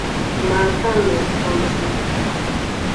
Na va lo ko ju.